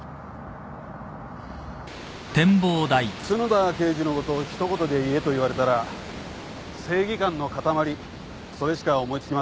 角田刑事のことを一言で言えと言われたら正義感の塊それしか思い付きません。